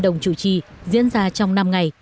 đồng chủ trì diễn ra trong năm ngày